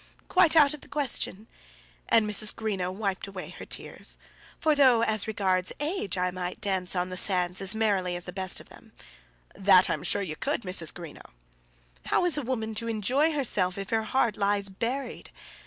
"Quite out of the question." And Mrs. Greenow wiped away her tears. "For though as regards age I might dance on the sands as merrily as the best of them " "That I'm sure you could, Mrs. Greenow." "How's a woman to enjoy herself if her heart lies buried?"